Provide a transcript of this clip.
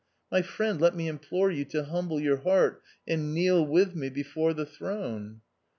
My friend, let me implore you to humble your heart and kneel with me before the throne."